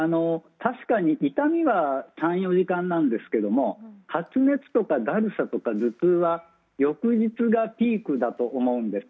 確かに痛みは３４時間ですが発熱とか、だるさとか頭痛は翌日がピークだと思うんです。